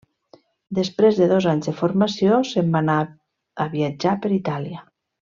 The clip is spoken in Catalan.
Després de dos anys de formació, se'n va anar a viatjar per Itàlia.